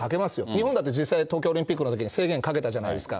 日本だって実際、東京オリンピックのときに制限かけたじゃないですか、